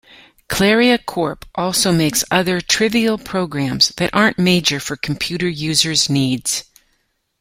Claria Corp. also makes other trivial programs that aren't major for computer users' needs.